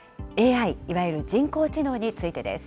ＡＩ、いわゆる人工知能についてです。